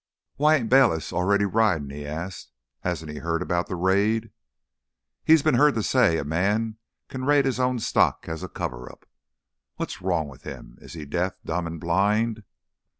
"Why ain't Bayliss already ridin'?" he asked. "Hasn't he heard about the raid?" "He's been heard to say a man can raid his own stock as a cover up." "What's wrong with him? Is he deaf, dumb, and blind!"